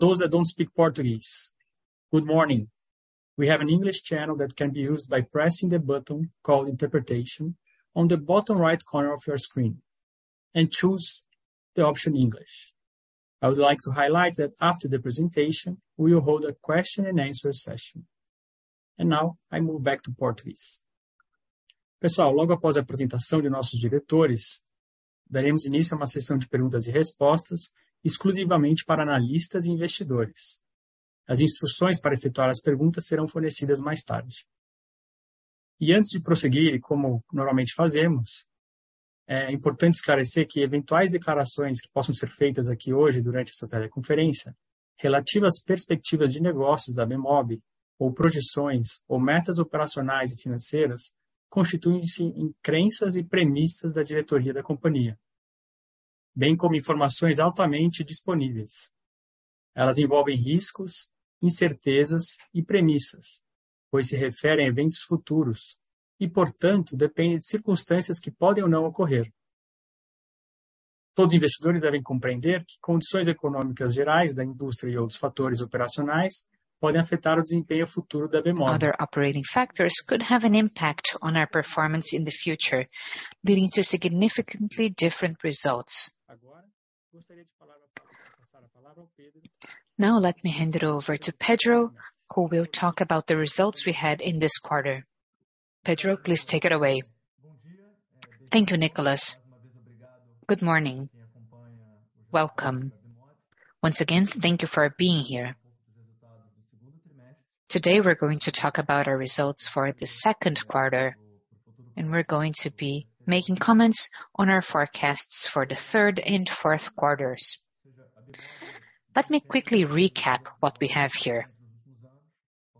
For those that don't speak Portuguese, good morning. We have an English channel that can be used by pressing the button called Interpretation on the bottom right corner of your screen, and choose the option English. I would like to highlight that after the presentation, we will hold a question and answer session. Now I move back to Portuguese. Pessoal, logo após a apresentação de nossos diretores, daremos início a uma sessão de perguntas e respostas, exclusivamente para analistas e investidores. As instruções para efetuar as perguntas serão fornecidas mais tarde. Antes de prosseguir, como normalmente fazemos, é importante esclarecer que eventuais declarações que possam ser feitas aqui hoje, durante essa teleconferência, relativas às perspectivas de negócios da Bemobi ou projeções ou metas operacionais e financeiras, constituem-se em crenças e premissas da diretoria da companhia, bem como informações altamente disponíveis. Elas envolvem riscos, incertezas e premissas, pois se referem a eventos futuros e, portanto, dependem de circunstâncias que podem ou não ocorrer. Todos os investidores devem compreender que condições econômicas gerais da indústria e outros fatores operacionais podem afetar o desempenho futuro da Bemobi. Other operating factors could have an impact on our performance in the future, leading to significantly different results. Now, let me hand it over to Pedro, who will talk about the results we had in this quarter. Pedro, please take it away. Thank you, Nicholas. Good morning. Welcome. Once again, thank you for being here. Today, we're going to talk about our results for the second quarter, we're going to be making comments on our forecasts for the third and fourth quarters. Let me quickly recap what we have here.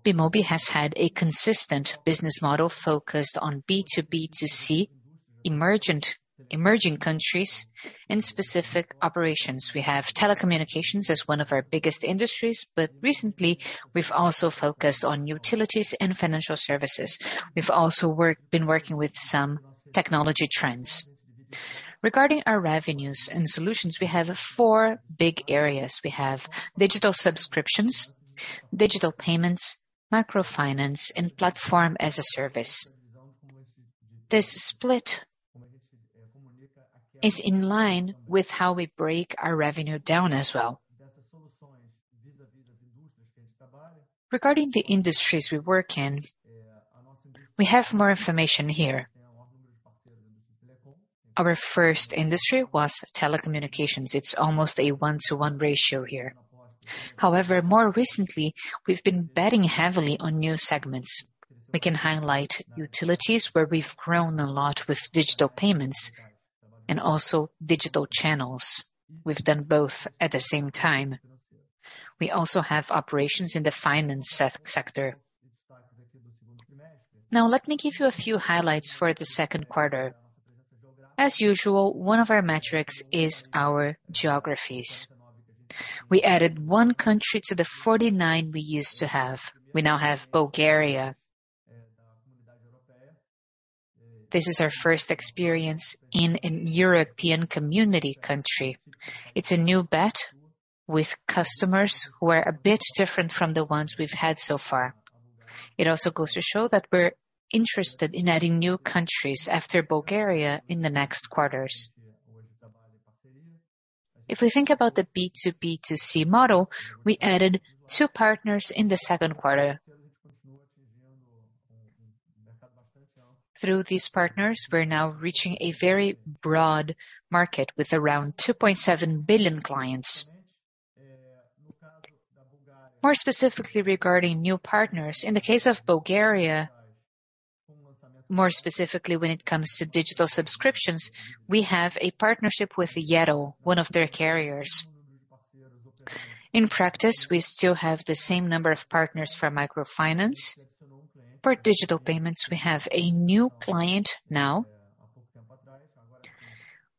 Bemobi has had a consistent business model focused on B2B2C, emerging countries and specific operations. We have telecommunications as one of our biggest industries, recently, we've also focused on utilities and financial services. We've also been working with some technology trends. Regarding our revenues and solutions, we have 4 big areas. We have digital subscriptions, digital payments, microfinance, and Platform as a Service. This split is in line with how we break our revenue down as well. Regarding the industries we work in, we have more information here. Our first industry was telecommunications. It's almost a 1-to-1 ratio here. However, more recently, we've been betting heavily on new segments. We can highlight utilities, where we've grown a lot with digital payments and also digital channels. We've done both at the same time. We also have operations in the finance sector. Now, let me give you a few highlights for the second quarter. As usual, one of our metrics is our geographies. We added one country to the 49 we used to have. We now have Bulgaria. This is our first experience in an European community country. It's a new bet with customers who are a bit different from the ones we've had so far. It also goes to show that we're interested in adding new countries after Bulgaria in the next quarters. If we think about the B2B2C model, we added two partners in the second quarter. Through these partners, we're now reaching a very broad market with around 2.7 billion clients. More specifically regarding new partners, in the case of Bulgaria, more specifically, when it comes to digital subscriptions, we have a partnership with Yettel, one of their carriers. In practice, we still have the same number of partners for microfinance. Digital payments, we have a new client now.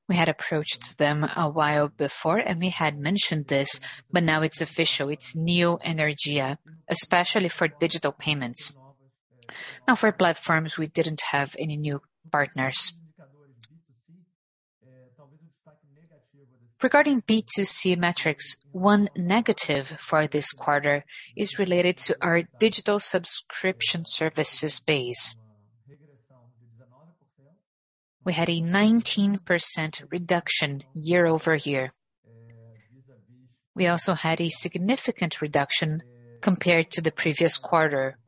We had approached them a while before, and we had mentioned this, but now it's official. It's Neoenergia, especially for digital payments. For platforms, we didn't have any new partners. Regarding B2C metrics, one negative for this quarter is related to our digital subscription services base. We had a 19% reduction year-over-year. We also had a significant reduction compared to the previous quarter.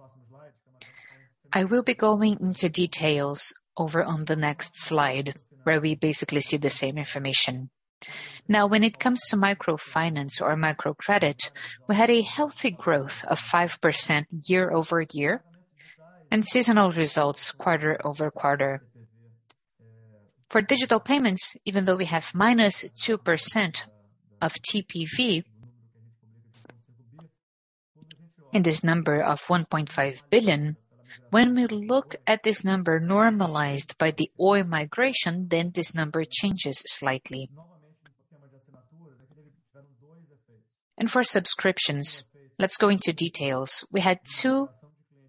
I will be going into details over on the next slide, where we basically see the same information. When it comes to microfinance or microcredit, we had a healthy growth of 5% year-over-year and seasonal results quarter-over-quarter. For digital payments, even though we have -2% of TPV, in this number of 1.5 billion, when we look at this number normalized by the Oi migration, this number changes slightly. For subscriptions, let's go into details. We had two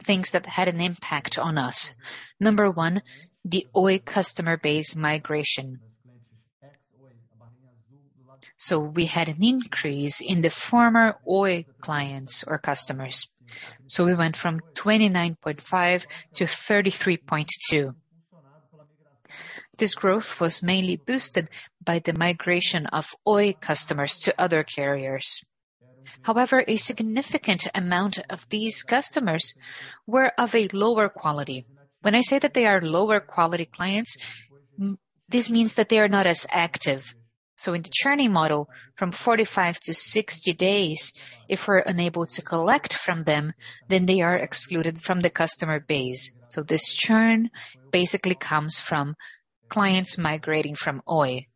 things that had an impact on us. Number one, the Oi customer base migration. We had an increase in the former Oi clients or customers, so we went from 29.5-33.2. This growth was mainly boosted by the migration of Oi customers to other carriers. However, a significant amount of these customers were of a lower quality. When I say that they are lower quality clients, this means that they are not as active. In the churning model, from 45-60 days, if we're unable to collect from them, then they are excluded from the customer base. This churn basically comes from clients migrating from Oi.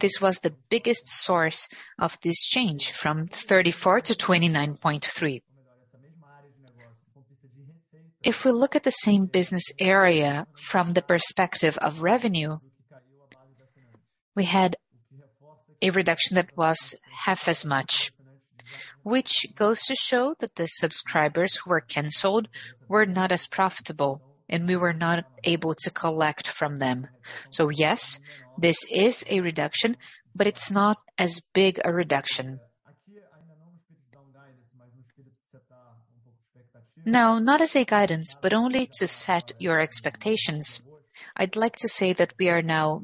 This was the biggest source of this change, from 34-29.3. If we look at the same business area from the perspective of revenue, we had a reduction that was half as much, which goes to show that the subscribers who were canceled were not as profitable, and we were not able to collect from them. Yes, this is a reduction, but it's not as big a reduction. Not as a guidance, but only to set your expectations, I'd like to say that we are now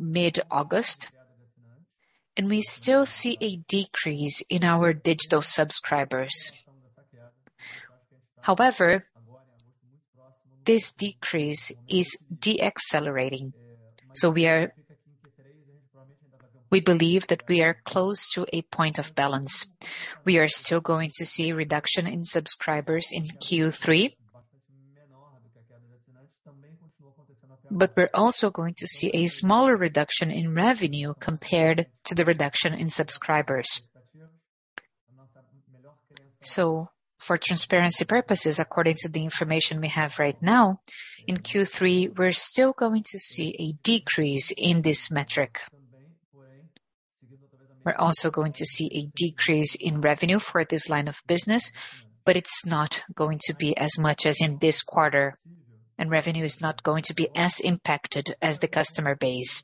mid-August, we still see a decrease in our digital subscribers. This decrease is decelerating, we believe that we are close to a point of balance. We are still going to see a reduction in subscribers in Q3, we're also going to see a smaller reduction in revenue compared to the reduction in subscribers. For transparency purposes, according to the information we have right now, in Q3, we're still going to see a decrease in this metric. We're also going to see a decrease in revenue for this line of business, it's not going to be as much as in this quarter, revenue is not going to be as impacted as the customer base.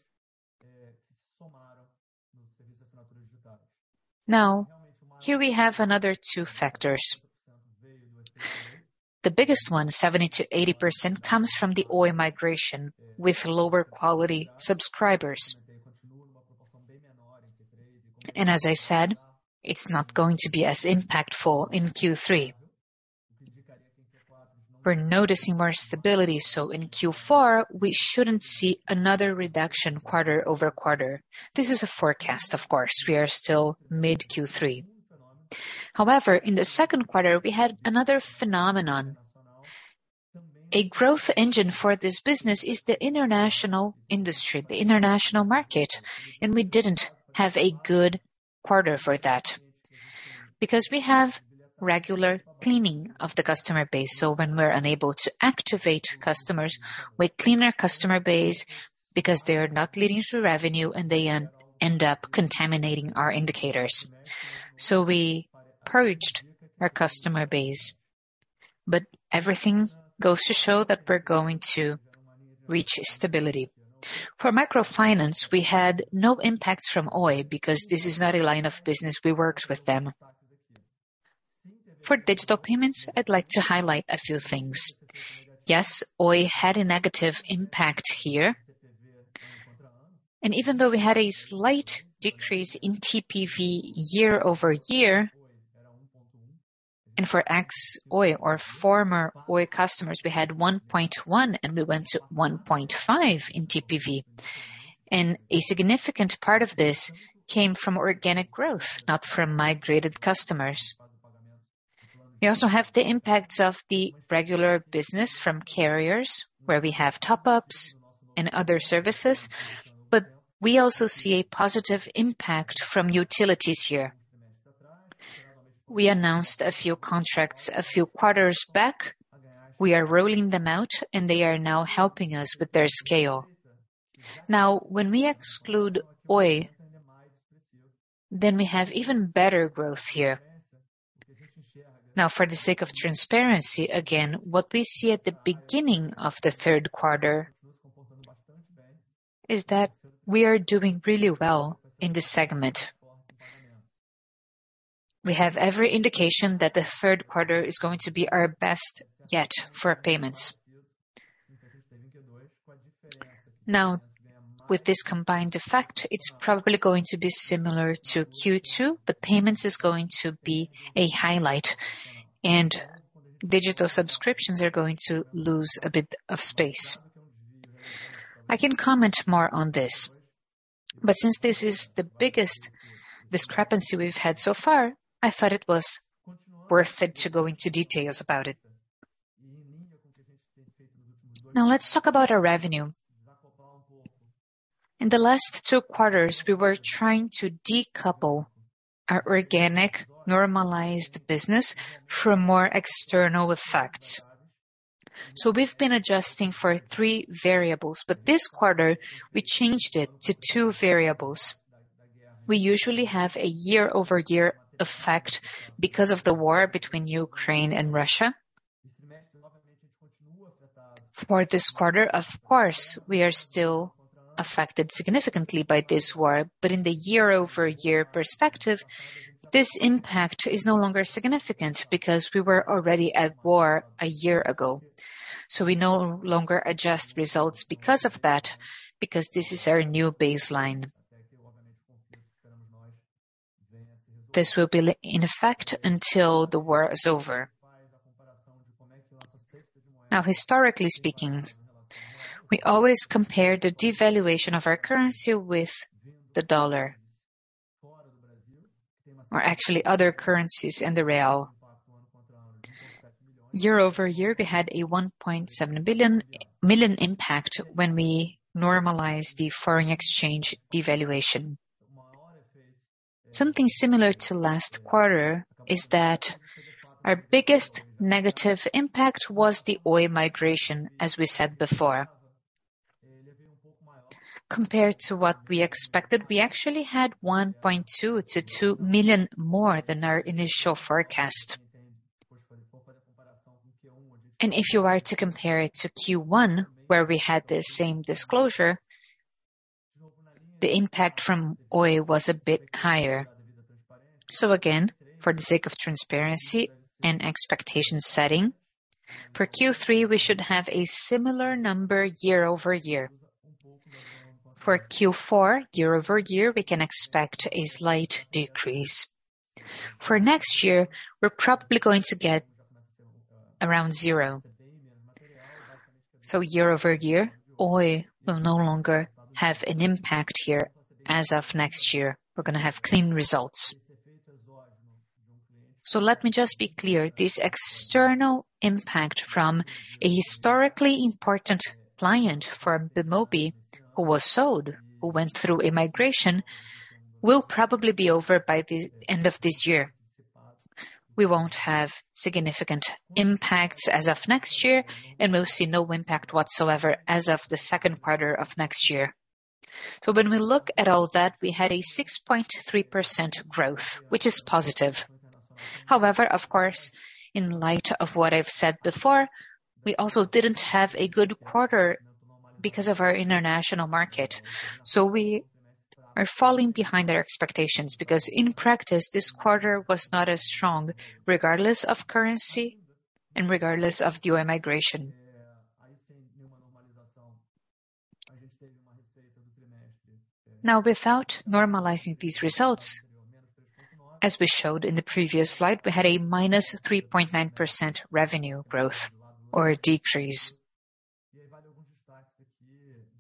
Here we have another two factors. The biggest one, 70%-80%, comes from the Oi migration, with lower quality subscribers. As I said, it's not going to be as impactful in Q3. We're noticing more stability, so in Q4, we shouldn't see another reduction quarter-over-quarter. This is a forecast, of course. We are still mid-Q3. However, in the second quarter, we had another phenomenon. A growth engine for this business is the international industry, the international market, and we didn't have a good quarter for that because we have regular cleaning of the customer base. When we're unable to activate customers, we clean our customer base because they are not leading to revenue, and they end up contaminating our indicators. We purged our customer base, but everything goes to show that we're going to reach stability. For microfinance, we had no impacts from Oi because this is not a line of business we worked with them. For digital payments, I'd like to highlight a few things. Yes, Oi had a negative impact here, and even though we had a slight decrease in TPV year-over-year, and for ex-Oi or former Oi customers, we had 1.1, and we went to 1.5 in TPV. A significant part of this came from organic growth, not from migrated customers. We also have the impacts of the regular business from carriers, where we have top-ups and other services, but we also see a positive impact from utilities here. We announced a few contracts a few quarters back. We are rolling them out, and they are now helping us with their scale. Now, when we exclude Oi, then we have even better growth here. For the sake of transparency, again, what we see at the beginning of the third quarter is that we are doing really well in this segment. We have every indication that the third quarter is going to be our best yet for payments. With this combined effect, it's probably going to be similar to Q2, but payments is going to be a highlight, and digital subscriptions are going to lose a bit of space. I can comment more on this, but since this is the biggest discrepancy we've had so far, I thought it was worth it to go into details about it. Let's talk about our revenue. In the last 2 quarters, we were trying to decouple our organic, normalized business from more external effects. We've been adjusting for 3 variables, but this quarter, we changed it to 2 variables. We usually have a year-over-year effect because of the war between Ukraine and Russia. For this quarter, of course, we are still affected significantly by this war. In the year-over-year perspective, this impact is no longer significant, because we were already at war a year ago. We no longer adjust results because of that, because this is our new baseline. This will be in effect until the war is over. Historically speaking, we always compare the devaluation of our currency with the US dollar, or actually other currencies and the BRL. year-over-year, we had a 1.7 billion-- million impact when we normalized the foreign exchange devaluation. Something similar to last quarter is that our biggest negative impact was the Oi migration, as we said before. Compared to what we expected, we actually had 1.2 million-2 million more than our initial forecast. If you are to compare it to Q1, where we had the same disclosure, the impact from Oi was a bit higher. Again, for the sake of transparency and expectation setting, for Q3, we should have a similar number year-over-year. For Q4, year-over-year, we can expect a slight decrease. For next year, we're probably going to get around. Year-over-year, Oi will no longer have an impact here. As of next year, we're going to have clean results. Let me just be clear, this external impact from a historically important client for Bemobi, who was sold, who went through a migration, will probably be over by the end of this year. We won't have significant impacts as of next year, and we'll see no impact whatsoever as of the 2nd quarter of next year. When we look at all that, we had a 6.3% growth, which is positive. However, of course, in light of what I've said before, we also didn't have a good quarter because of our international market. We are falling behind our expectations, because in practice, this quarter was not as strong, regardless of currency and regardless of the Oi migration. Without normalizing these results, as we showed in the previous slide, we had a -3.9% revenue growth or decrease.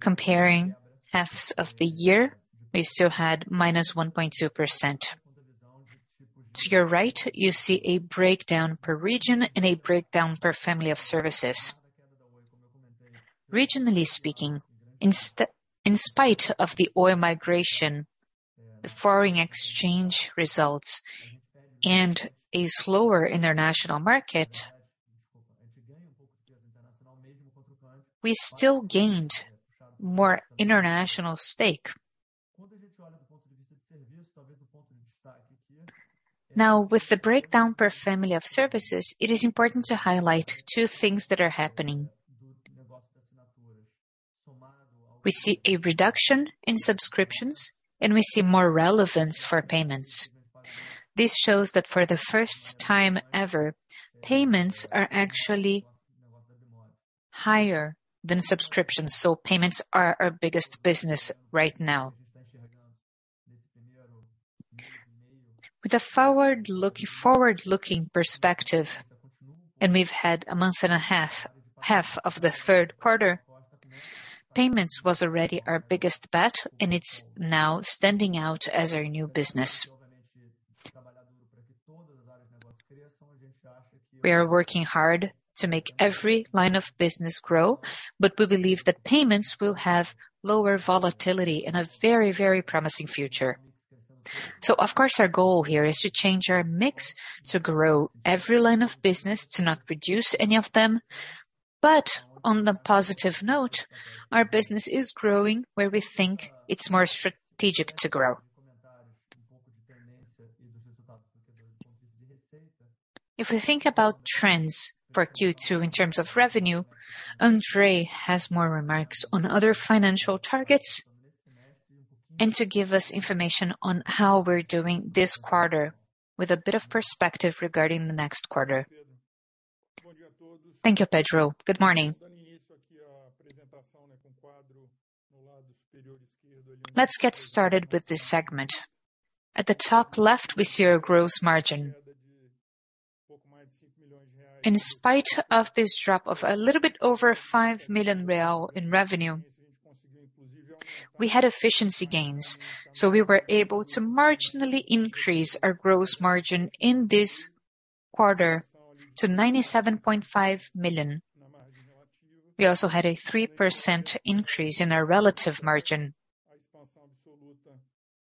Comparing halves of the year, we still had -1.2%. To your right, you see a breakdown per region and a breakdown per family of services. Regionally speaking, in spite of the Oi migration, the foreign exchange results, and a slower international market, we still gained more international stake. With the breakdown per family of services, it is important to highlight two things that are happening. We see a reduction in subscriptions, and we see more relevance for payments. This shows that for the first time ever, payments are actually higher than subscriptions, so payments are our biggest business right now. With a forward-looking, forward-looking perspective, and we've had a month and a half, half of the third quarter, payments was already our biggest bet, and it's now standing out as our new business. We are working hard to make every line of business grow, but we believe that payments will have lower volatility and a very, very promising future. Of course, our goal here is to change our mix, to grow every line of business, to not reduce any of them. On a positive note, our business is growing where we think it's more strategic to grow. If we think about trends for Q2 in terms of revenue, André has more remarks on other financial targets, and to give us information on how we're doing this quarter, with a bit of perspective regarding the next quarter. Thank you, Pedro. Good morning. Let's get started with this segment. At the top left, we see our gross margin. In spite of this drop of a little bit over 5 million real in revenue, we had efficiency gains, so we were able to marginally increase our gross margin in this quarter to 97.5 million. We also had a 3% increase in our relative margin.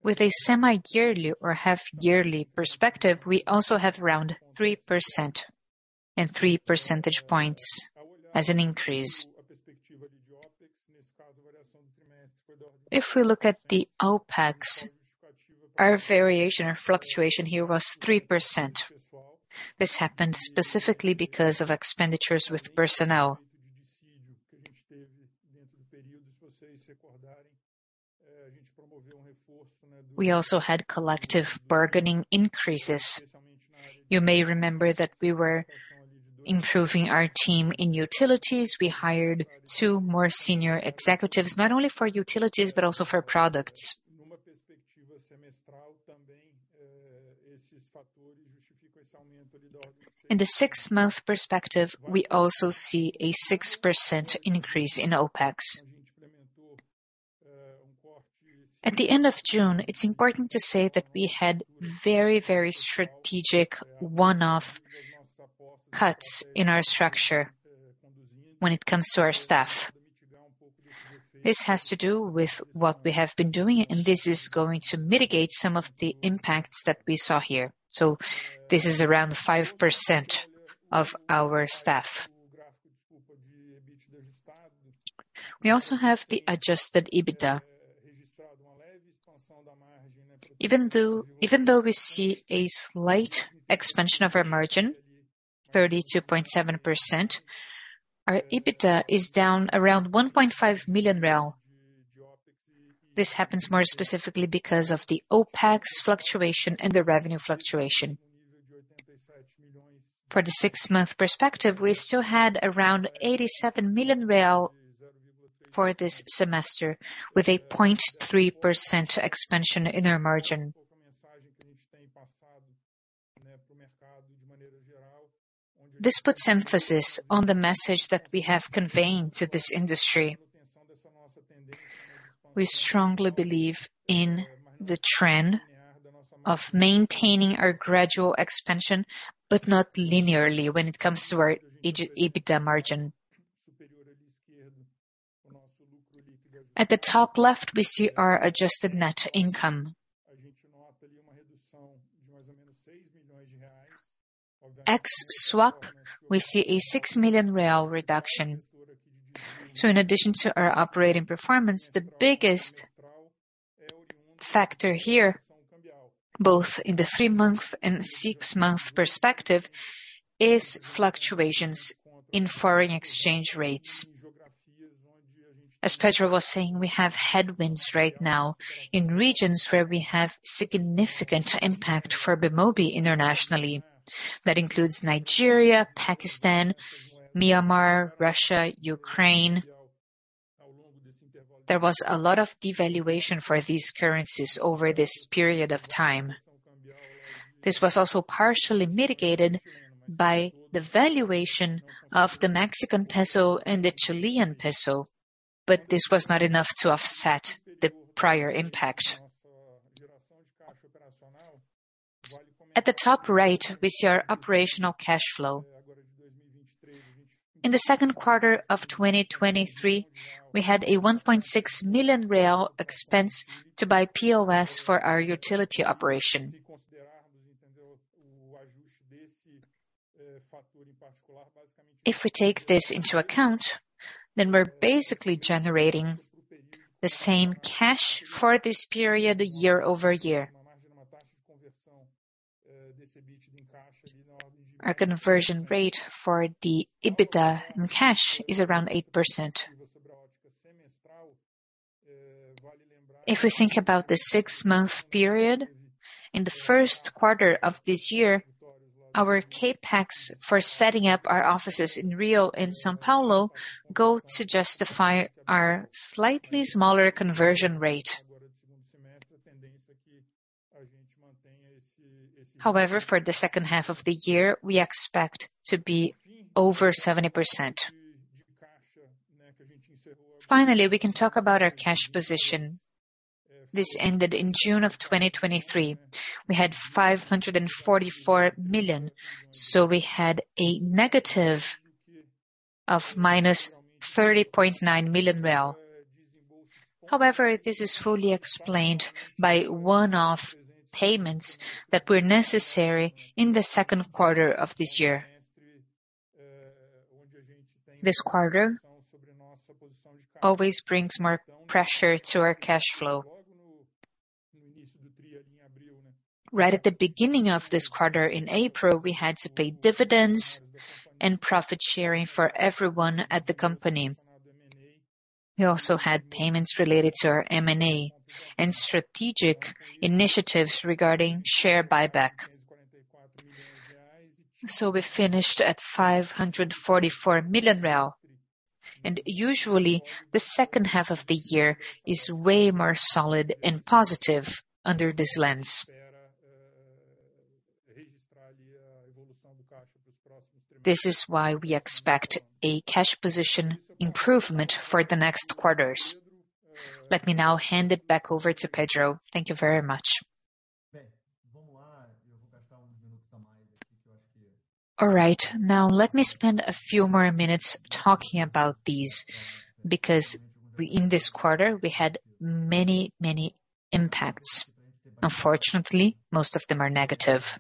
With a semi-yearly or half-yearly perspective, we also have around 3% and 3 percentage points as an increase. If we look at the OpEx... Our variation or fluctuation here was 3%. This happened specifically because of expenditures with personnel. We also had collective bargaining increases. You may remember that we were improving our team in utilities. We hired two more senior executives, not only for utilities, but also for products. In the six month perspective, we also see a 6% increase in OpEx. At the end of June, it's important to say that we had very, very strategic one-off cuts in our structure when it comes to our staff. This has to do with what we have been doing, and this is going to mitigate some of the impacts that we saw here. This is around 5% of our staff. We also have the adjusted EBITDA. Even though we see a slight expansion of our margin, 32.7%, our EBITDA is down around 1.5 million real. This happens more specifically because of the OpEx fluctuation and the revenue fluctuation. For the six-month perspective, we still had around 87 million real for this semester, with a 0.3% expansion in our margin. This puts emphasis on the message that we have conveyed to this industry. We strongly believe in the trend of maintaining our gradual expansion, but not linearly when it comes to our EBITDA margin. At the top left, we see our adjusted net income. X swap, we see a 6 million real reduction. In addition to our operating performance, the biggest factor here, both in the three-month and six-month perspective, is fluctuations in foreign exchange rates. As Pedro was saying, we have headwinds right now in regions where we have significant impact for Bemobi internationally. That includes Nigeria, Pakistan, Myanmar, Russia, Ukraine. There was a lot of devaluation for these currencies over this period of time. This was also partially mitigated by the valuation of the Mexican peso and the Chilean peso, but this was not enough to offset the prior impact. At the top right, we see our operational cash flow. In the second quarter of 2023, we had a 1.6 million expense to buy POS for our utility operation. If we take this into account, then we're basically generating the same cash for this period, year-over-year. Our conversion rate for the EBITDA in cash is around 8%. If we think about the six-month period, in the first quarter of this year, our CapEx for setting up our offices in Rio and São Paulo go to justify our slightly smaller conversion rate. For the second half of the year, we expect to be over 70%. Finally, we can talk about our cash position. This ended in June of 2023. We had 544 million, so we had a negative of -30.9 million. This is fully explained by one-off payments that were necessary in the second quarter of this year. This quarter always brings more pressure to our cash flow. Right at the beginning of this quarter, in April, we had to pay dividends and profit sharing for everyone at the company. We also had payments related to our M&A and strategic initiatives regarding share buyback. We finished at 544 million real, and usually, the second half of the year is way more solid and positive under this lens. This is why we expect a cash position improvement for the next quarters. Let me now hand it back over to Pedro. Thank you very much. All right, now let me spend a few more minutes talking about these, because we in this quarter, we had many, many impacts. Unfortunately, most of them are negative.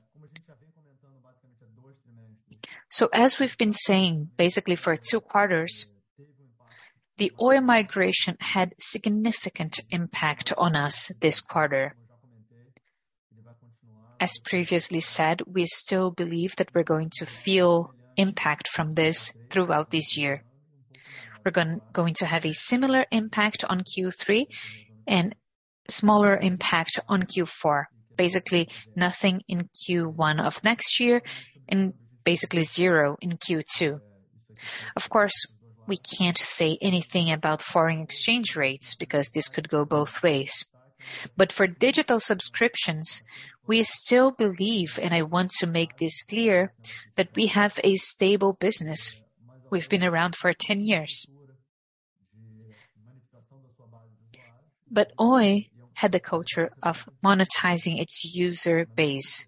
As we've been saying, basically for two quarters, the Oi migration had significant impact on us this quarter. As previously said, we still believe that we're going to feel impact from this throughout this year. We're going to have a similar impact on Q3 and smaller impact on Q4. Basically, nothing in Q1 of next year and basically zero in Q2. Of course, we can't say anything about foreign exchange rates because this could go both ways. For digital subscriptions, we still believe, and I want to make this clear, that we have a stable business. We've been around for 10 years. Oi had the culture of monetizing its user base.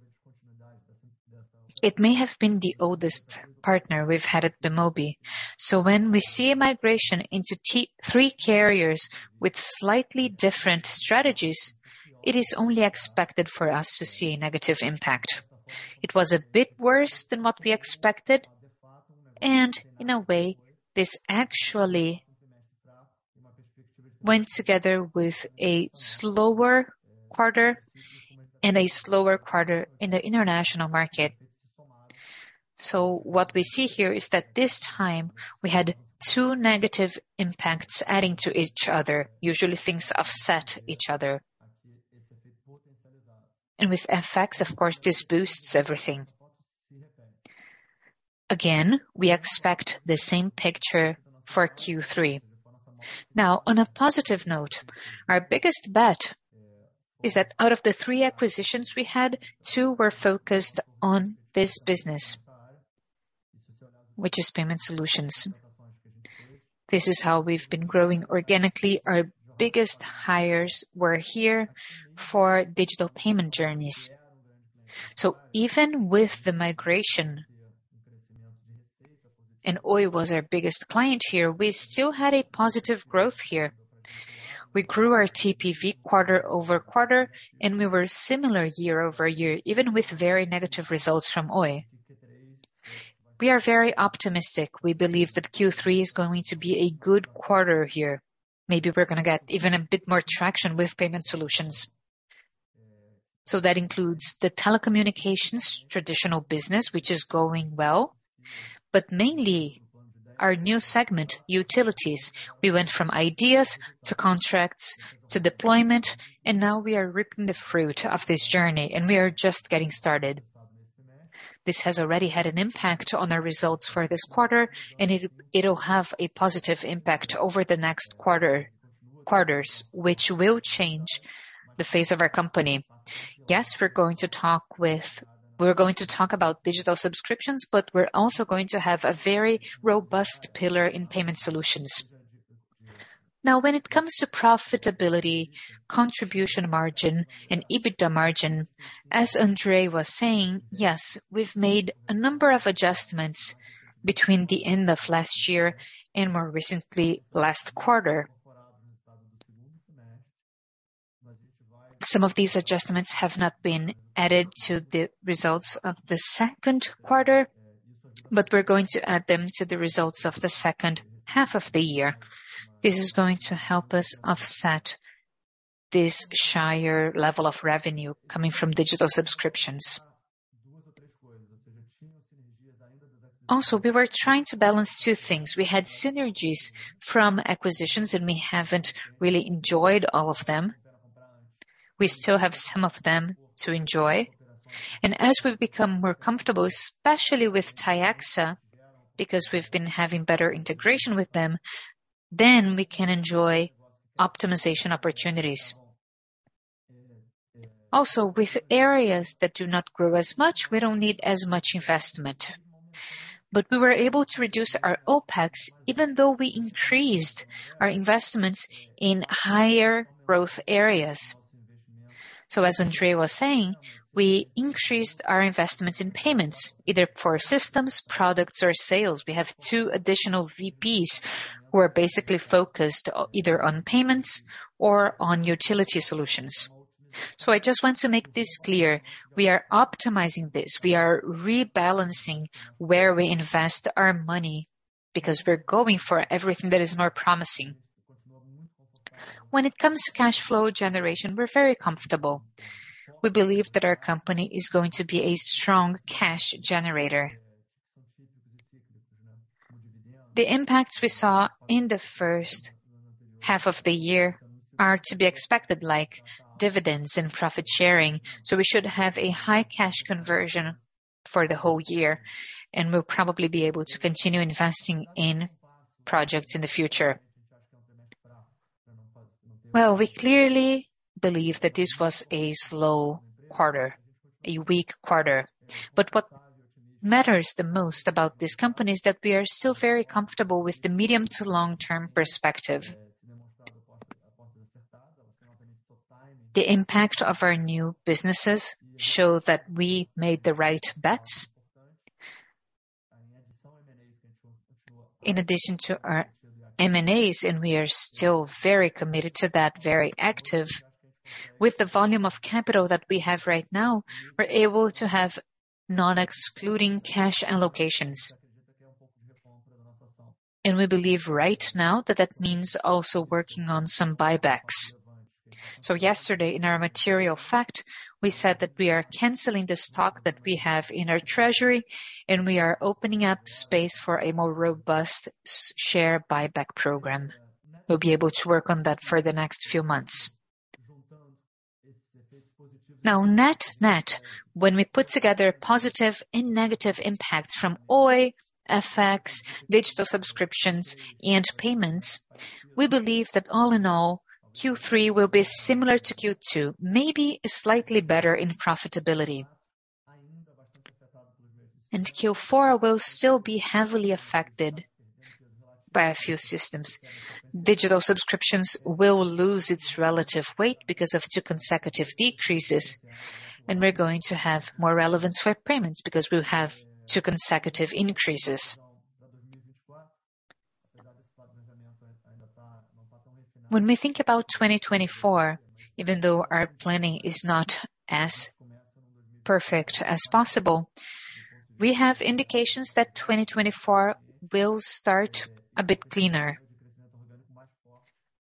It may have been the oldest partner we've had at Bemobi. When we see a migration into three carriers with slightly different strategies, it is only expected for us to see a negative impact. It was a bit worse than what we expected, and in a way, this actually went together with a slower quarter and a slower quarter in the international market. What we see here is that this time we had two negative impacts adding to each other. Usually, things offset each other. With effects, of course, this boosts everything. Again, we expect the same picture for Q3. Now, on a positive note, our biggest bet is that out of the three acquisitions we had, two were focused on this business, which is payment solutions. This is how we've been growing organically. Our biggest hires were here for digital payment journeys. Even with the migration, and Oi was our biggest client here, we still had a positive growth here. We grew our TPV quarter-over-quarter, and we were similar year-over-year, even with very negative results from Oi. We are very optimistic. We believe that Q3 is going to be a good quarter here. Maybe we're gonna get even a bit more traction with payment solutions. That includes the telecommunications traditional business, which is going well, but mainly our new segment, utilities. We went from ideas to contracts to deployment, and now we are reaping the fruit of this journey, and we are just getting started. This has already had an impact on our results for this quarter, and it'll have a positive impact over the next quarter- quarters, which will change the face of our company. We're going to talk about digital subscriptions, but we're also going to have a very robust pillar in payment solutions. When it comes to profitability, contribution margin and EBITDA margin, as André was saying, we've made a number of adjustments between the end of last year and more recently, last quarter. Some of these adjustments have not been added to the results of the second quarter, but we're going to add them to the results of the second half of the year. This is going to help us offset this higher level of revenue coming from digital subscriptions. We were trying to balance two things. We had synergies from acquisitions, and we haven't really enjoyed all of them. We still have some of them to enjoy. As we've become more comfortable, especially with Tiaxa, because we've been having better integration with them, then we can enjoy optimization opportunities. With areas that do not grow as much, we don't need as much investment. We were able to reduce our OpEx, even though we increased our investments in higher growth areas. As André was saying, we increased our investments in payments, either for systems, products, or sales. We have two additional VPs who are basically focused either on payments or on utility solutions. I just want to make this clear: we are optimizing this. We are rebalancing where we invest our money because we're going for everything that is more promising. When it comes to cash flow generation, we're very comfortable. We believe that our company is going to be a strong cash generator. The impacts we saw in the first half of the year are to be expected, like dividends and profit sharing, so we should have a high cash conversion for the whole year, and we'll probably be able to continue investing in projects in the future. Well, we clearly believe that this was a slow quarter, a weak quarter. What matters the most about this company is that we are still very comfortable with the medium to long-term perspective. The impact of our new businesses show that we made the right bets. In addition to our M&As, and we are still very committed to that, very active. With the volume of capital that we have right now, we're able to have non-excluding cash allocations. We believe right now that that means also working on some buybacks. Yesterday, in our material fact, we said that we are canceling the stock that we have in our treasury, and we are opening up space for a more robust share buyback program. We'll be able to work on that for the next few months. Net-net, when we put together positive and negative impacts from Oi, FX, digital subscriptions, and payments, we believe that all in all, Q3 will be similar to Q2, maybe slightly better in profitability. Q4 will still be heavily affected by a few systems. Digital subscriptions will lose its relative weight because of two consecutive decreases, and we're going to have more relevance for payments because we'll have two consecutive increases. When we think about 2024, even though our planning is not as perfect as possible, we have indications that 2024 will start a bit cleaner.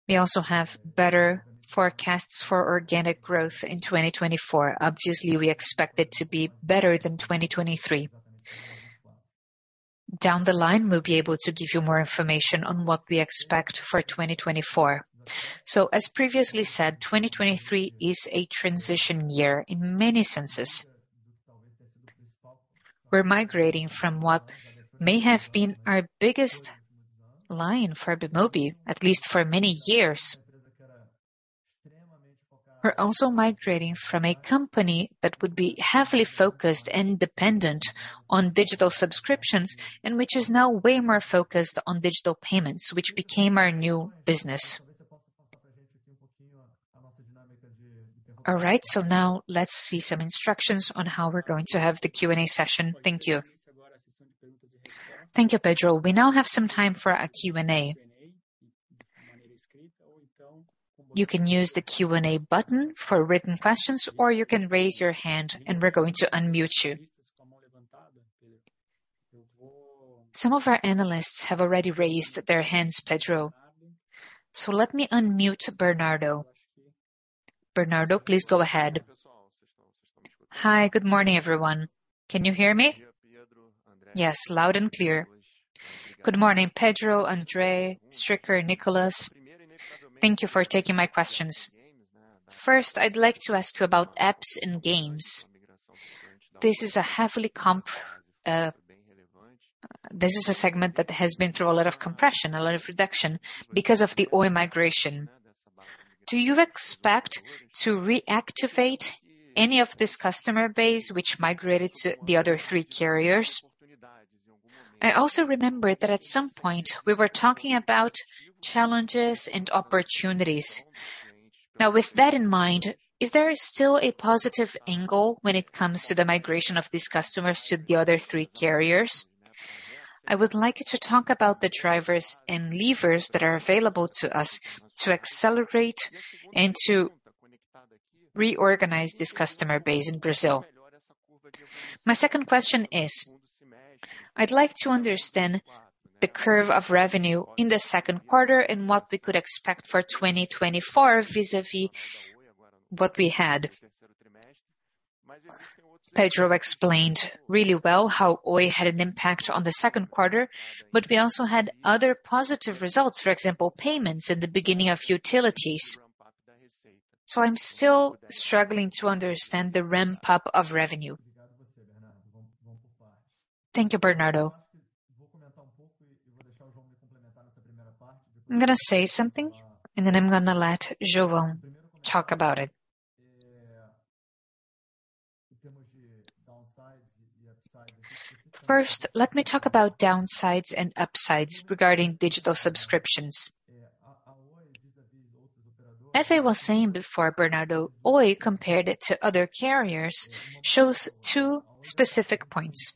We also have better forecasts for organic growth in 2024. Obviously, we expect it to be better than 2023. Down the line, we'll be able to give you more information on what we expect for 2024. As previously said, 2023 is a transition year in many senses. We're migrating from what may have been our biggest line for Bemobi, at least for many years. We're also migrating from a company that would be heavily focused and dependent on digital subscriptions, and which is now way more focused on digital payments, which became our new business. All right, now let's see some instructions on how we're going to have the Q&A session. Thank you. Thank you, Pedro. We now have some time for a Q&A. You can use the Q&A button for written questions, or you can raise your hand and we're going to unmute you. Some of our analysts have already raised their hands, Pedro, so let me unmute Bernardo. Bernardo, please go ahead. Hi, good morning, everyone. Can you hear me? Yes, loud and clear. Good morning, Pedro, André, Stricker, Nicholas. Thank you for taking my questions. First, I'd like to ask you about apps and games. This is a heavily comp, this is a segment that has been through a lot of compression, a lot of reduction because of the Oi migration. Do you expect to reactivate any of this customer base which migrated to the other three carriers? I also remember that at some point, we were talking about challenges and opportunities. With that in mind, is there still a positive angle when it comes to the migration of these customers to the other three carriers? I would like you to talk about the drivers and levers that are available to us to accelerate and to reorganize this customer base in Brazil. My second question is, I'd like to understand the curve of revenue in the second quarter and what we could expect for 2024 vis-a-vis what we had. Pedro explained really well how Oi had an impact on the second quarter, but we also had other positive results, for example, payments in the beginning of utilities. I'm still struggling to understand the ramp-up of revenue. Thank you, Bernardo. I'm gonna say something, and then I'm gonna let João talk about it. First, let me talk about downsides and upsides regarding digital subscriptions. As I was saying before, Bernardo, Oi, compared it to other carriers, shows two specific points.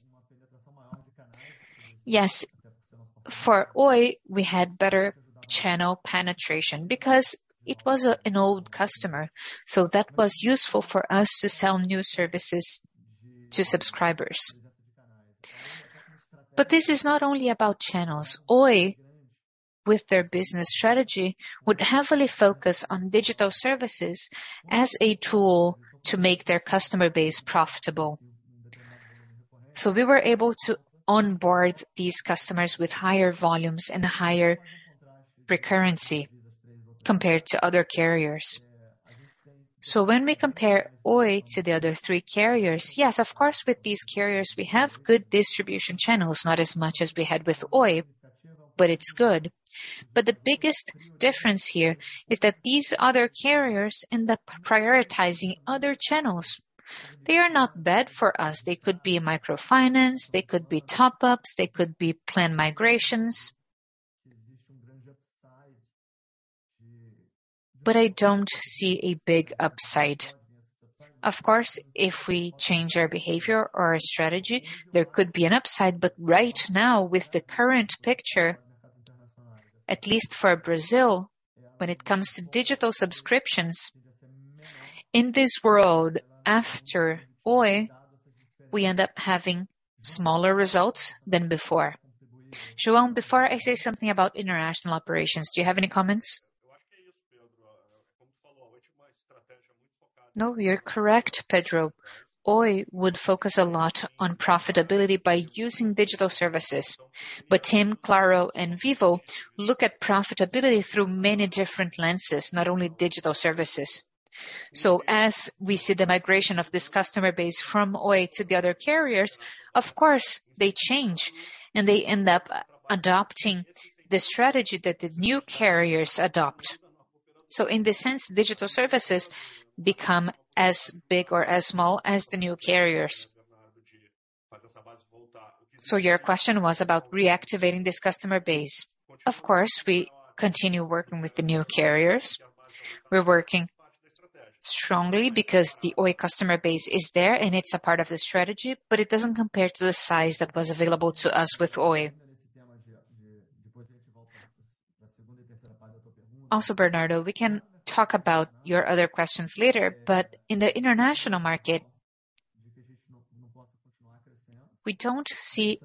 Yes, for Oi, we had better channel penetration because it was an old customer. That was useful for us to sell new services to subscribers. This is not only about channels. Oi, with their business strategy, would heavily focus on digital services as a tool to make their customer base profitable. We were able to onboard these customers with higher volumes and higher recurrency compared to other carriers. When we compare Oi to the other three carriers, yes, of course, with these carriers, we have good distribution channels, not as much as we had with Oi, but it's good. The biggest difference here is that these other carriers end up prioritizing other channels. They are not bad for us. They could be microfinance, they could be top ups, they could be plan migrations. I don't see a big upside. Of course, if we change our behavior or our strategy, there could be an upside, but right now, with the current picture, at least for Brazil, when it comes to digital subscriptions, in this world, after Oi, we end up having smaller results than before. João, before I say something about international operations, do you have any comments? No, you're correct, Pedro. Oi would focus a lot on profitability by using digital services. TIM, Claro, and Vivo look at profitability through many different lenses, not only digital services. As we see the migration of this customer base from Oi to the other carriers, of course, they change, and they end up adopting the strategy that the new carriers adopt. In this sense, digital services become as big or as small as the new carriers. Your question was about reactivating this customer base. Of course, we continue working with the new carriers. We're working strongly because the Oi customer base is there, and it's a part of the strategy, but it doesn't compare to the size that was available to us with Oi. Bernardo, we can talk about your other questions later, but in the international market, we don't see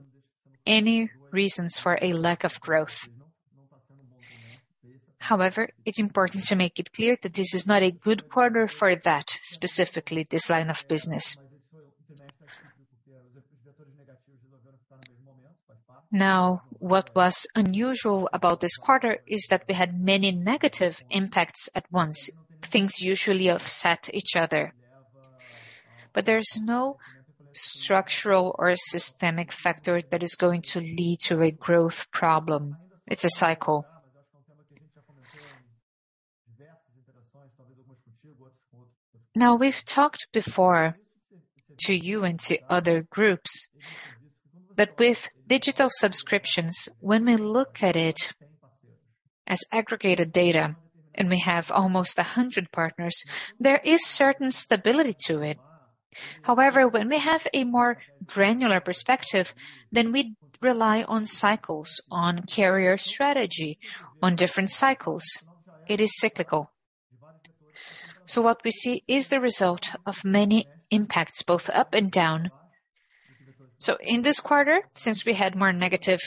any reasons for a lack of growth. It's important to make it clear that this is not a good quarter for that, specifically, this line of business. What was unusual about this quarter is that we had many negative impacts at once. Things usually offset each other, but there's no structural or systemic factor that is going to lead to a growth problem. It's a cycle. We've talked before to you and to other groups, that with digital subscriptions, when we look at it as aggregated data, and we have almost 100 partners, there is certain stability to it. However, when we have a more granular perspective, then we rely on cycles, on carrier strategy, on different cycles. It is cyclical. What we see is the result of many impacts, both up and down. In this quarter, since we had more negative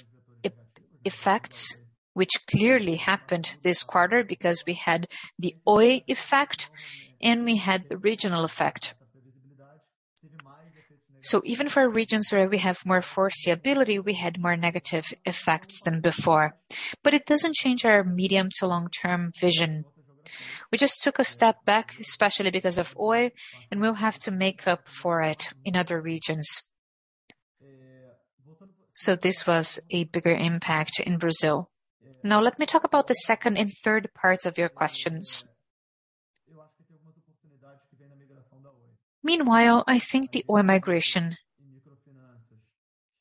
effects, which clearly happened this quarter because we had the Oi effect, and we had the regional effect. Even for our regions where we have more foreseeability, we had more negative effects than before. It doesn't change our medium to long-term vision. We just took a step back, especially because of Oi, and we'll have to make up for it in other regions. This was a bigger impact in Brazil. Now, let me talk about the second and third parts of your questions. Meanwhile, I think the Oi migration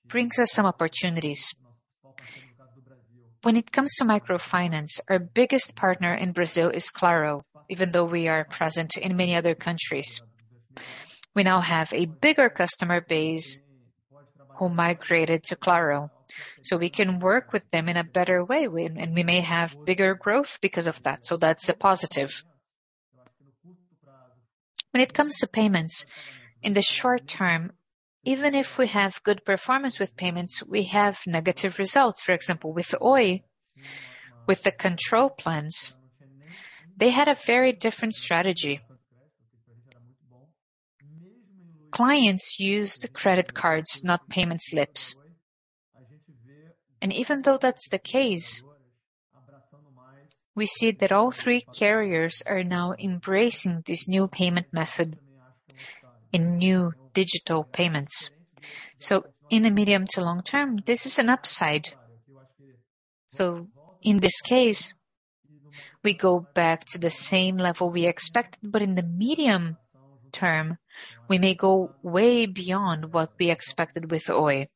brings us some opportunities. When it comes to microfinance, our biggest partner in Brazil is Claro, even though we are present in many other countries. We now have a bigger customer base who migrated to Claro, so we can work with them in a better way, and we may have bigger growth because of that. That's a positive. When it comes to payments, in the short term, even if we have good performance with payments, we have negative results. For example, with Oi, with the control plans, they had a very different strategy. Clients used credit cards, not payment slips. Even though that's the case, we see that all three carriers are now embracing this new payment method in new digital payments. In the medium to long term, this is an upside. In this case, we go back to the same level we expected, but in the medium term, we may go way beyond what we expected with Oi.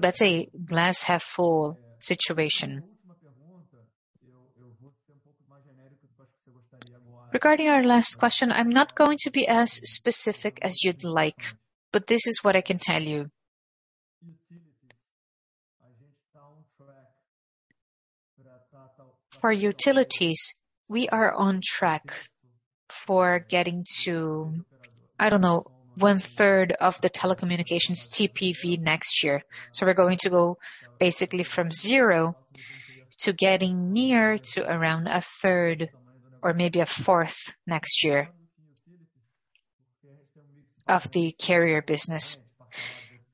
That's a glass half full situation. Regarding our last question, I'm not going to be as specific as you'd like, but this is what I can tell you. For utilities, we are on track for getting to, I don't know, 1/3 of the telecommunications TPV next year. We're going to go basically from 0 to getting near to around 1/3 or maybe 1/4 next year... Of the carrier business.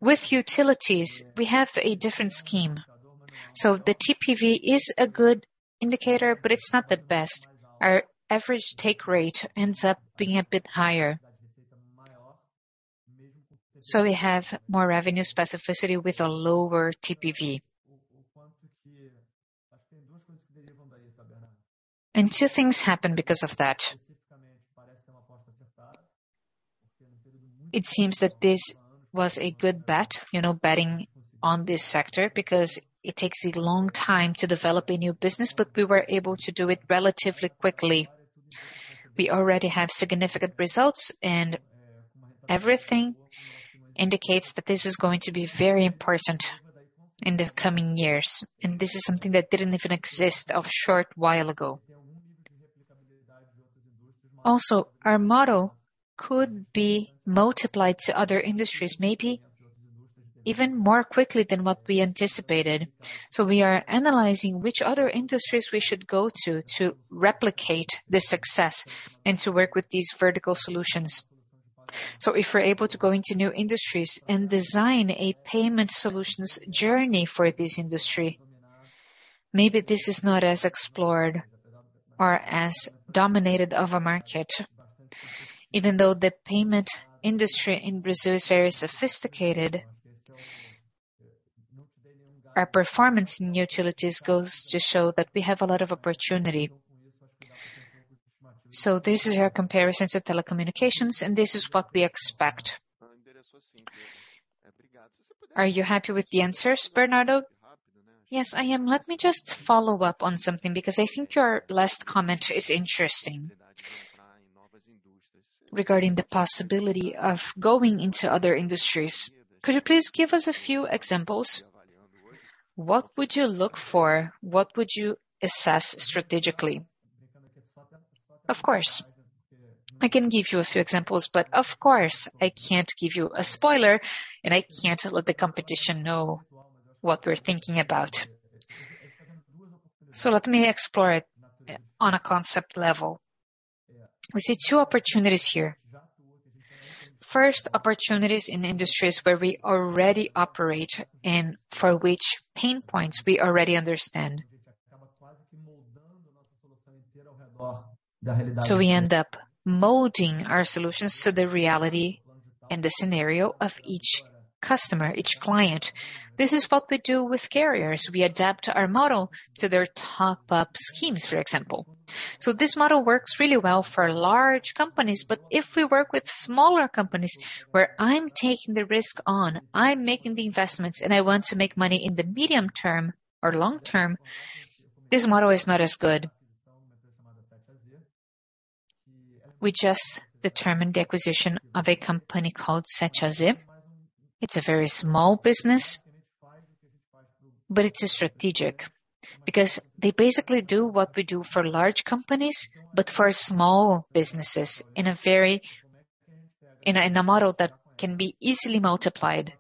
With utilities, we have a different scheme. The TPV is a good indicator, but it's not the best. Our average take rate ends up being a bit higher. We have more revenue specificity with a lower TPV. Two things happen because of that. It seems that this was a good bet, you know, betting on this sector, because it takes a long time to develop a new business, but we were able to do it relatively quickly. We already have significant results, and everything indicates that this is going to be very important in the coming years, and this is something that didn't even exist a short while ago. Our model could be multiplied to other industries, maybe even more quickly than what we anticipated. We are analyzing which other industries we should go to, to replicate this success and to work with these vertical solutions. If we're able to go into new industries and design a payment solutions journey for this industry, maybe this is not as explored or as dominated of a market. Even though the payment industry in Brazil is very sophisticated, our performance in utilities goes to show that we have a lot of opportunity. This is our comparisons of telecommunications, and this is what we expect. Are you happy with the answers, Bernardo? Yes, I am. Let me just follow up on something, because I think your last comment is interesting regarding the possibility of going into other industries. Could you please give us a few examples? What would you look for? What would you assess strategically? Of course. I can give you a few examples, but of course, I can't give you a spoiler, and I can't let the competition know what we're thinking about. Let me explore it on a concept level. We see two opportunities here. First, opportunities in industries where we already operate and for which pain points we already understand. We end up molding our solutions to the reality and the scenario of each customer, each client. This is what we do with carriers. We adapt our model to their top-up schemes, for example. This model works really well for large companies, but if we work with smaller companies, where I'm taking the risk on, I'm making the investments, and I want to make money in the medium term or long term, this model is not as good. We just determined the acquisition of a company called 7AZ. It's a very small business, but it is strategic because they basically do what we do for large companies, but for small businesses in a, in a model that can be easily multiplied.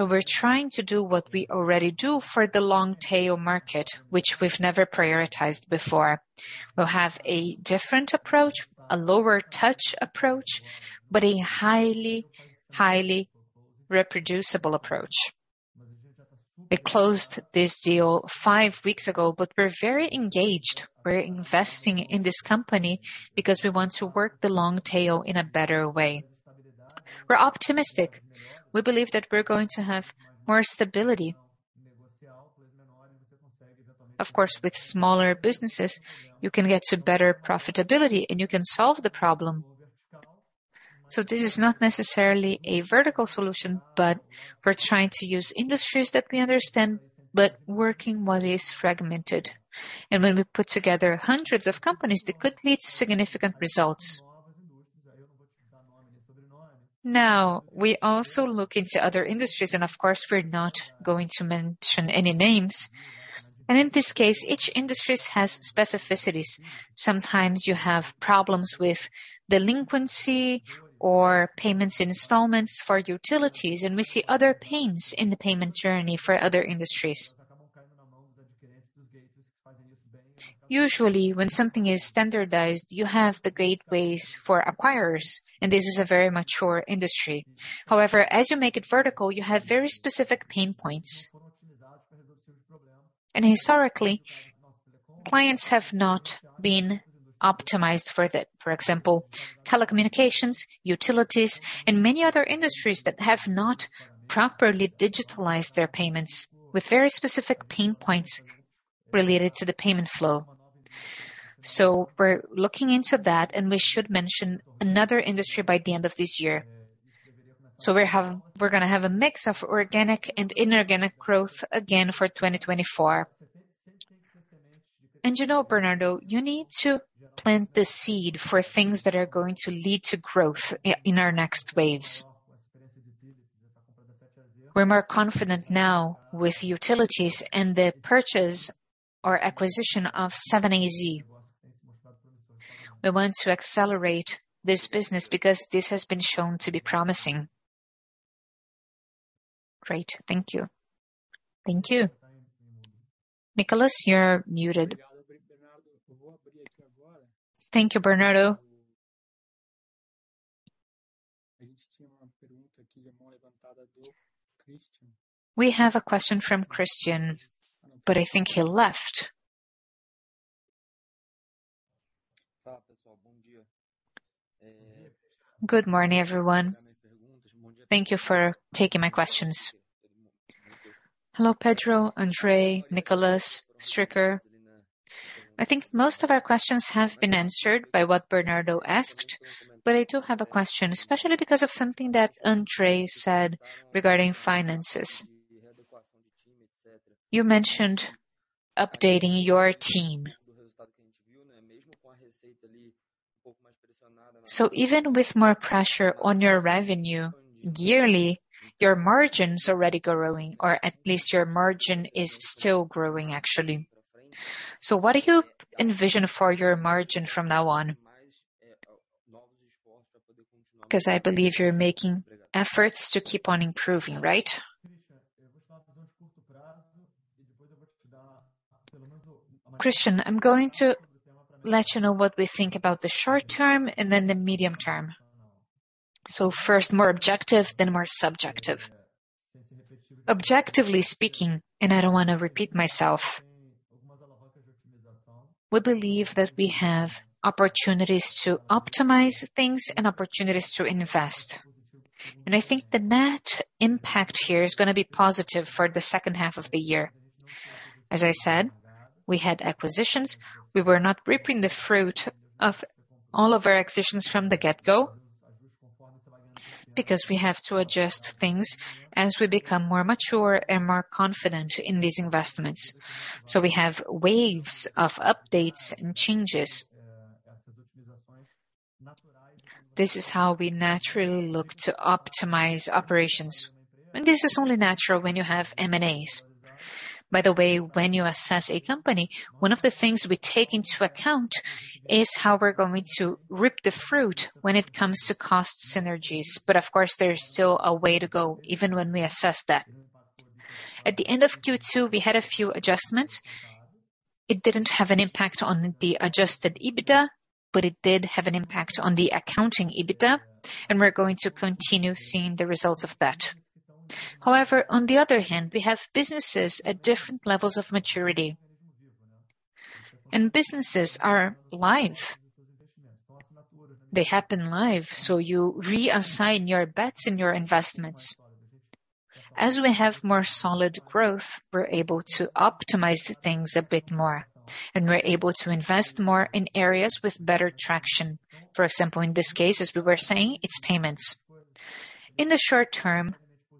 We're trying to do what we already do for the long tail market, which we've never prioritized before. We'll have a different approach, a lower touch approach, but a highly, highly reproducible approach. We closed this deal five weeks ago, but we're very engaged. We're investing in this company because we want to work the long tail in a better way. We're optimistic. We believe that we're going to have more stability. Of course, with smaller businesses, you can get to better profitability, and you can solve the problem. This is not necessarily a vertical solution, but we're trying to use industries that we understand, but working what is fragmented. When we put together hundreds of companies, that could lead to significant results. Now, we also look into other industries, and of course, we're not going to mention any names. In this case, each industries has specificities. Sometimes you have problems with delinquency or payments in installments for utilities, and we see other pains in the payment journey for other industries. Usually, when something is standardized, you have the gateways for acquirers, and this is a very mature industry. However, as you make it vertical, you have very specific pain points. Historically, clients have not been optimized for that. For example, telecommunications, utilities, and many other industries that have not properly digitalized their payments, with very specific pain points related to the payment flow. We're looking into that, and we should mention another industry by the end of this year. We're gonna have a mix of organic and inorganic growth again for 2024. You know, Bernardo, you need to plant the seed for things that are going to lead to growth in our next waves. We're more confident now with utilities and the purchase or acquisition of 7AZ. We want to accelerate this business because this has been shown to be promising. Great. Thank you. Thank you. Nicholas, you're muted. Thank you, Bernardo. We have a question from Christian, but I think he left. Good morning, everyone. Thank you for taking my questions... Hello, Pedro, André, Nicholas, Stryker. I think most of our questions have been answered by what Bernardo asked, but I do have a question, especially because of something that André said regarding finances. You mentioned updating your team. Even with more pressure on your revenue, yearly, your margin's already growing, or at least your margin is still growing, actually. What do you envision for your margin from now on? 'Cause I believe you're making efforts to keep on improving, right? Christian, I'm going to let you know what we think about the short term and then the medium term. First, more objective, then more subjective. Objectively speaking, and I don't wanna repeat myself, we believe that we have opportunities to optimize things and opportunities to invest. I think the net impact here is gonna be positive for the second half of the year. As I said, we had acquisitions. We were not reaping the fruit of all of our acquisitions from the get-go, because we have to adjust things as we become more mature and more confident in these investments. We have waves of updates and changes. This is how we naturally look to optimize operations, and this is only natural when you have M&As. By the way, when you assess a company, one of the things we take into account is how we're going to reap the fruit when it comes to cost synergies. Of course, there's still a way to go, even when we assess that. At the end of Q2, we had a few adjustments. It didn't have an impact on the adjusted EBITDA, but it did have an impact on the accounting EBITDA, and we're going to continue seeing the results of that. On the other hand, we have businesses at different levels of maturity. Businesses are live. They happen live, so you reassign your bets and your investments. As we have more solid growth, we're able to optimize things a bit more, and we're able to invest more in areas with better traction. For example, in this case, as we were saying, it's payments. In the short term,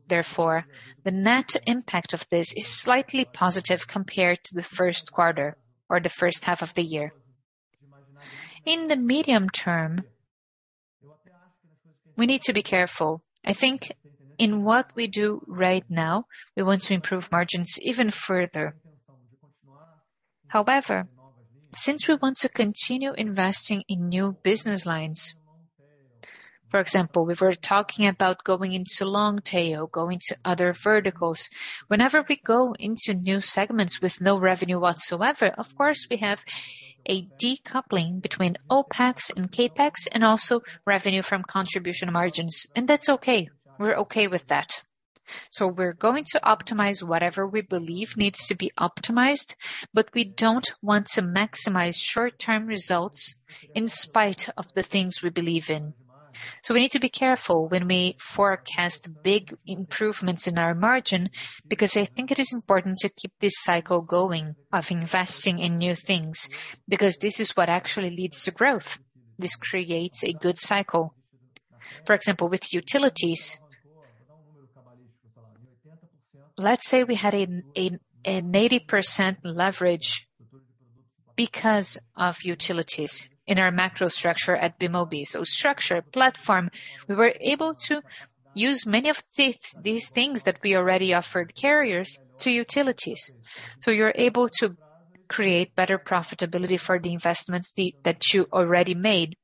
therefore, the net impact of this is slightly positive compared to the first quarter or the first half of the year. In the medium term, we need to be careful. I think in what we do right now, we want to improve margins even further. However, since we want to continue investing in new business lines, for example, we were talking about going into long tail, going to other verticals. Whenever we go into new segments with no revenue whatsoever, of course, we have a decoupling between OpEx and CapEx, and also revenue from contribution margins, and that's okay. We're okay with that. We're going to optimize whatever we believe needs to be optimized, but we don't want to maximize short-term results in spite of the things we believe in. We need to be careful when we forecast big improvements in our margin, because I think it is important to keep this cycle going of investing in new things, because this is what actually leads to growth. This creates a good cycle. For example, with utilities, let's say we had an 80% leverage because of utilities in our macro structure at Bemobi. Structure, platform, we were able to use many of these things that we already offered carriers to utilities. You're able to create better profitability for the investments that you already made.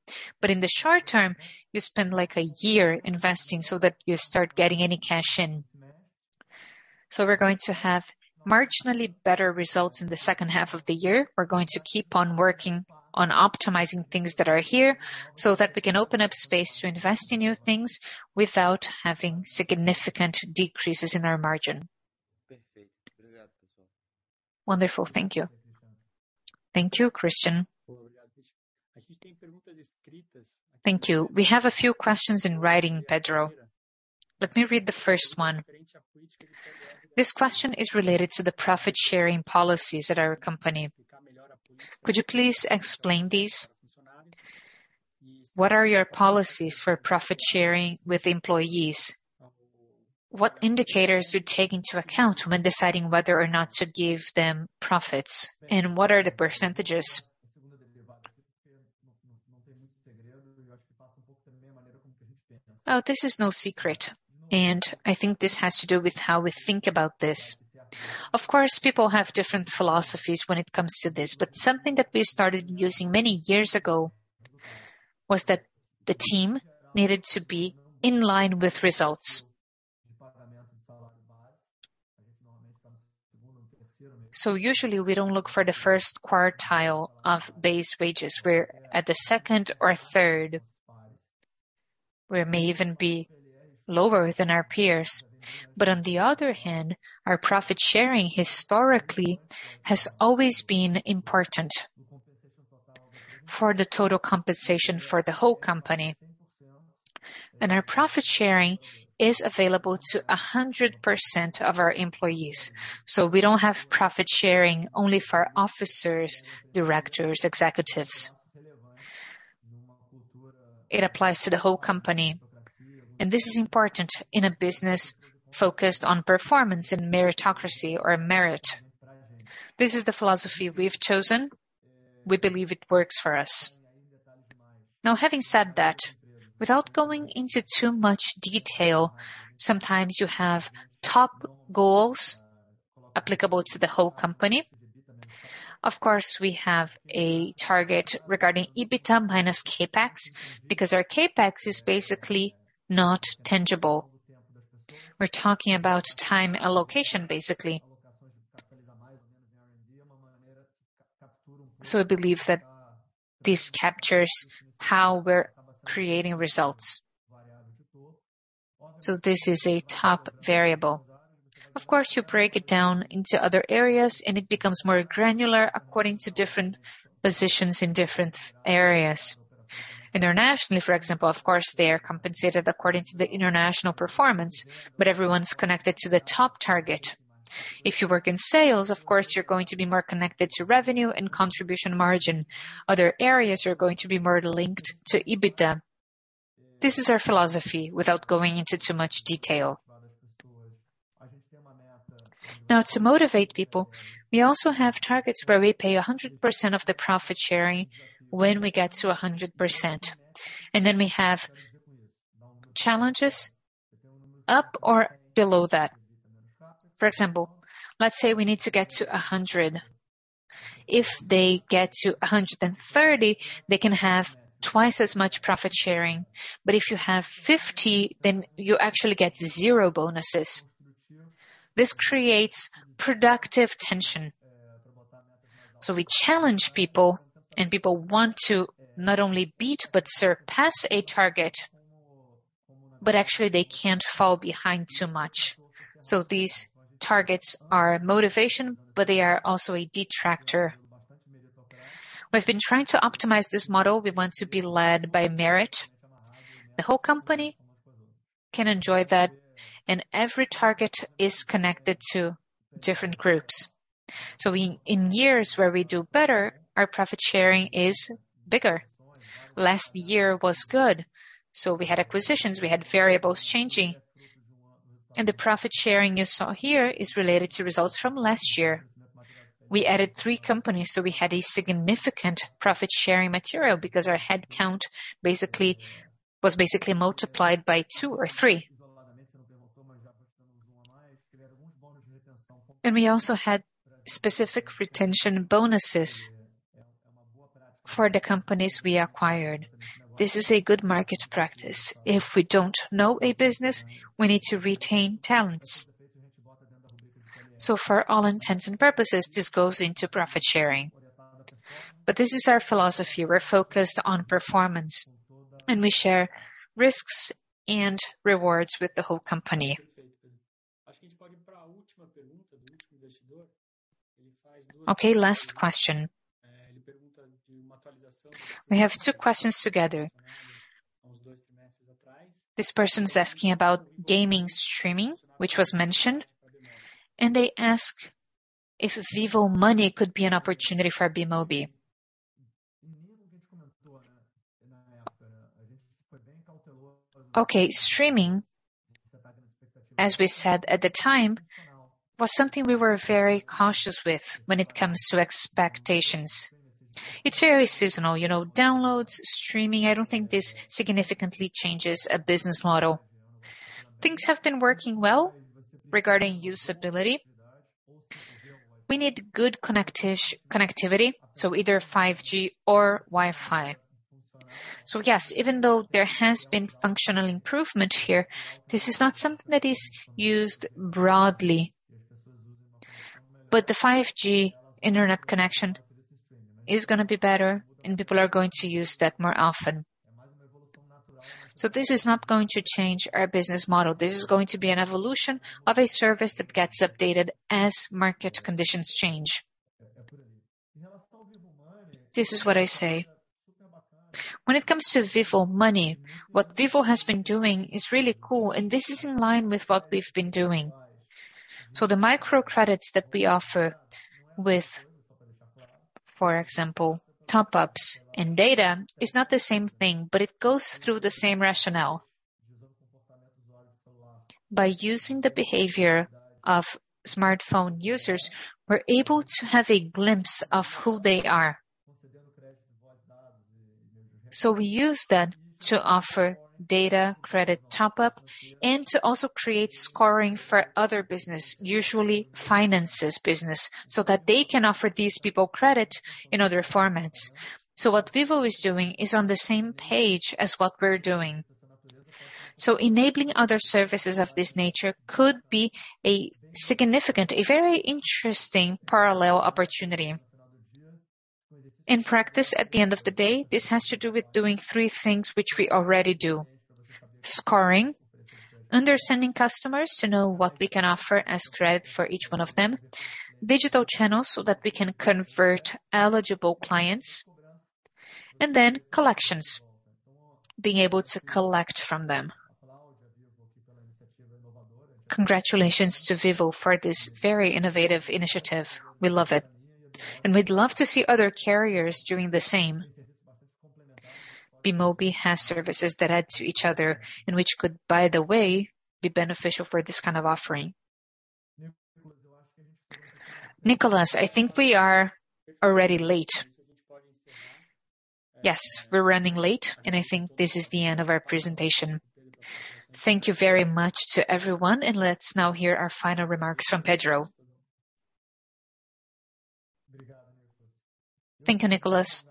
In the short term, you spend, like, a year investing so that you start getting any cash in. We're going to have marginally better results in the second half of the year. We're going to keep on working on optimizing things that are here so that we can open up space to invest in new things without having significant decreases in our margin. Wonderful. Thank you. Thank you, Christian. Thank you. We have a few questions in writing, Pedro. Let me read the first one. This question is related to the profit-sharing policies at our company. Could you please explain these? What are your policies for profit sharing with employees? What indicators do you take into account when deciding whether or not to give them profits, and what are the percentages? This is no secret, and I think this has to do with how we think about this. Of course, people have different philosophies when it comes to this, but something that we started using many years ago was that the team needed to be in line with results. Usually, we don't look for the first quartile of base wages. We're at the second or third. We may even be lower than our peers. On the other hand, our profit sharing historically has always been important for the total compensation for the whole company. Our profit sharing is available to 100% of our employees. We don't have profit sharing only for officers, directors, executives. It applies to the whole company, and this is important in a business focused on performance and meritocracy or merit. This is the philosophy we've chosen. We believe it works for us. Having said that, without going into too much detail, sometimes you have top goals applicable to the whole company. We have a target regarding EBITDA minus CapEx, because our CapEx is basically not tangible. We're talking about time allocation, basically. I believe that this captures how we're creating results. This is a top variable. You break it down into other areas, and it becomes more granular according to different positions in different areas. Internationally, for example, of course, they are compensated according to the international performance, but everyone's connected to the top target. If you work in sales, of course, you're going to be more connected to revenue and contribution margin. Other areas are going to be more linked to EBITDA. This is our philosophy, without going into too much detail. Now, to motivate people, we also have targets where we pay 100% of the profit sharing when we get to 100%, and then we have challenges up or below that. For example, let's say we need to get to 100. If they get to 130, they can have twice as much profit sharing, but if you have 50%, then you actually get zero bonuses. This creates productive tension. We challenge people, and people want to not only beat, but surpass a target, but actually they can't fall behind too much. These targets are a motivation, but they are also a detractor. We've been trying to optimize this model. We want to be led by merit. The whole company can enjoy that, and every target is connected to different groups. In years where we do better, our profit sharing is bigger. Last year was good, we had acquisitions, we had variables changing, the profit sharing you saw here is related to results from last year. We added 3 companies, we had a significant profit-sharing material because our headcount was basically multiplied by 2 or 3. We also had specific retention bonuses for the companies we acquired. This is a good market practice. If we don't know a business, we need to retain talents. For all intents and purposes, this goes into profit sharing. This is our philosophy. We're focused on performance, we share risks and rewards with the whole company. Okay, last question. We have two questions together. This person is asking about gaming streaming, which was mentioned, they ask if Vivo Money could be an opportunity for Bemobi. Streaming, as we said at the time, was something we were very cautious with when it comes to expectations. It's very seasonal, you know, downloads, streaming. I don't think this significantly changes a business model. Things have been working well regarding usability. We need good connectivity, so either 5G or Wi-Fi. Yes, even though there has been functional improvement here, this is not something that is used broadly. The 5G internet connection is gonna be better, and people are going to use that more often. This is not going to change our business model. This is going to be an evolution of a service that gets updated as market conditions change. This is what I say. When it comes to Vivo Money, what Vivo has been doing is really cool, and this is in line with what we've been doing. The microcredits that we offer with, for example, top-ups and data, is not the same thing, but it goes through the same rationale. By using the behavior of smartphone users, we're able to have a glimpse of who they are. We use that to offer data, credit top up, and to also create scoring for other business, usually finances business, so that they can offer these people credit in other formats. What Vivo is doing is on the same page as what we're doing. Enabling other services of this nature could be a significant, a very interesting parallel opportunity. In practice, at the end of the day, this has to do with doing three things, which we already do.... scoring, understanding customers to know what we can offer as credit for each one of them, digital channels so that we can convert eligible clients, and then collections, being able to collect from them. Congratulations to Vivo for this very innovative initiative. We love it, and we'd love to see other carriers doing the same. Bemobi has services that add to each other, and which could, by the way, be beneficial for this kind of offering. Nicholas, I think we are already late. Yes, we're running late, and I think this is the end of our presentation. Thank you very much to everyone, and let's now hear our final remarks from Pedro. Thank you, Nicholas.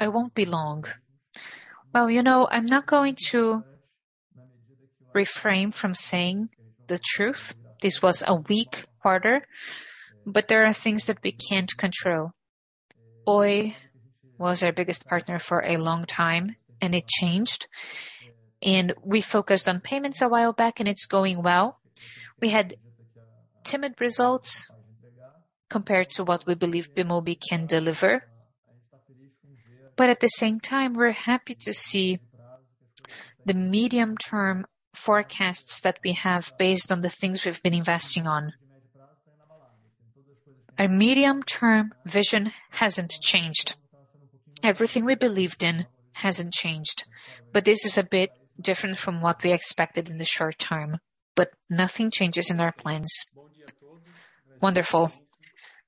I won't be long. Well, you know, I'm not going to refrain from saying the truth. This was a weak quarter, but there are things that we can't control. Oi was our biggest partner for a long time, and it changed, and we focused on payments a while back, and it's going well. We had timid results compared to what we believe Bemobi can deliver. At the same time, we're happy to see the medium-term forecasts that we have based on the things we've been investing on. Our medium-term vision hasn't changed. Everything we believed in hasn't changed, but this is a bit different from what we expected in the short term. Nothing changes in our plans. Wonderful.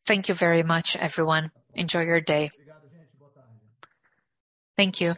Thank you very much, everyone. Enjoy your day. Thank you.